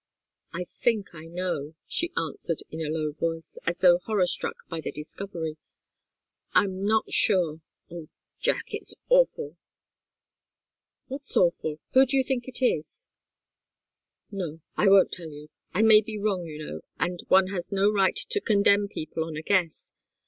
"I think I know," she answered, in a low voice, as though horror struck by the discovery. "I'm not sure oh, Jack! It's awful!" "What's awful? Who do you think it is?" "No I won't tell you. I may be wrong, you know, and one has no right to condemn people on a guess.